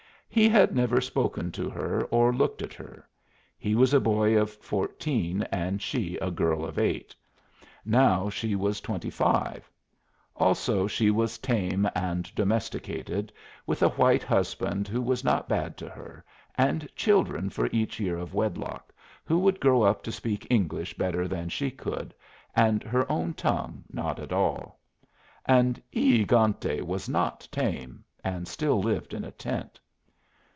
He had never spoken to her or looked at her. He was a boy of fourteen and she a girl of eight. Now she was twenty five. Also she was tame and domesticated, with a white husband who was not bad to her, and children for each year of wedlock, who would grow up to speak English better than she could, and her own tongue not at all. And E egante was not tame, and still lived in a tent.